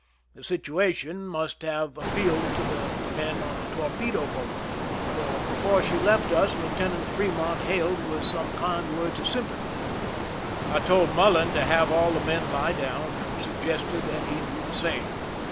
The situation must have appealed to the men on the torpedo boat, for before she left us Lieutenant Fremont hailed with some kind words of sympathy. I told Mullen to have all the men lie down, and sug gested that he do the same.